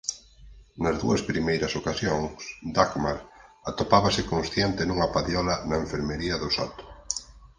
Nas dúas primeiras ocasións Dagmar atopábase consciente nunha padiola na enfermería do soto.